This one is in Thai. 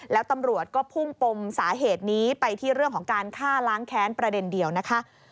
แล้วตำรวจก็พุ่งปมสาเหตุนี้ไปที่เรื่องของการฆ่าล้างแค้นประเด็นเดียวนะคะ